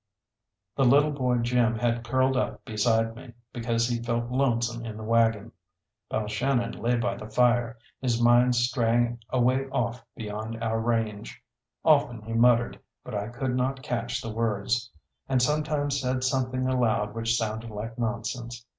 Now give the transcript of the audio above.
The little boy Jim had curled up beside me because he felt lonesome in the waggon. Balshannon lay by the fire, his mind straying away off beyond our range. Often he muttered, but I could not catch the words, and sometimes said something aloud which sounded like nonsense.